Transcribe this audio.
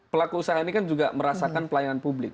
pelaku usaha ini kan juga merasakan pelayanan publik